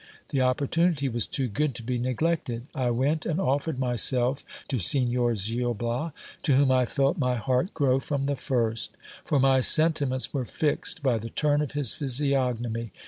The opportunity was too good to be neglected : I went and offered myself to Signor Gil Bias, to whom I felt my heart grow from the first ; for my sentiments were fixed by the turn of his physiognomy.